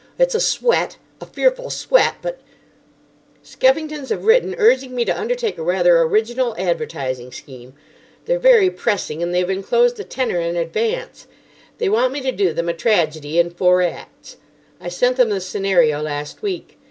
"It's a sweat—a fearful sweat, but—— "Skeffington's have written urging me to undertake a rather original advertising scheme. They're very pressing, and they've enclosed a tenner in advance. They want me to do them a tragedy in four acts. I sent them the scenario last week.